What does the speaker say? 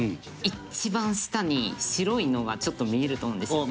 一番下に白いのがちょっと見えると思うんですよ。